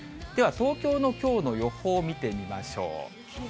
では東京のきょうの予報を見てみましょう。